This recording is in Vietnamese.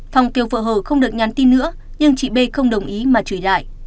phong kêu vợ hờ không được nhắn tin nữa nhưng chị b không đồng ý mà chửi lại